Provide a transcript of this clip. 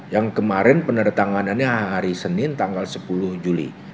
yang kemarin peneretanganannya hari senin tanggal sepuluh juli